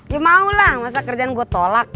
ya mau lah masa kerjaan gue tolak